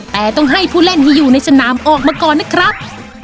แต่ต้องให้ผู้เล่นที่อยู่ในสนามออกมาก่อนนะครับ